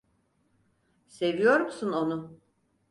Seviyor musun onu?